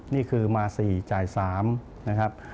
นี่คือมา๔จ่าย๓นะครับ